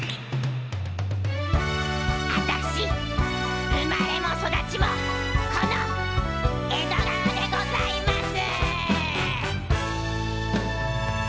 あたし生まれも育ちもこの江戸川でございます。